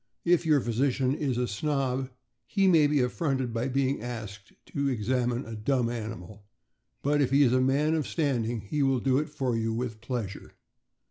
If your physician is a snob, he may be affronted by being asked to examine a dumb animal, but if he is a man of standing, he will do it for you with pleasure.